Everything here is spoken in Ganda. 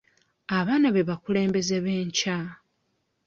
Abaana be bakulembeze ab'enkya.